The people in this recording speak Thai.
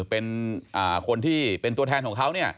เป็นคนที่เป็นตัวแทนของเขา